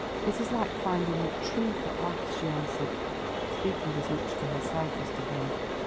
"It is like finding truth at last," she answered, speaking as much to herself as to him.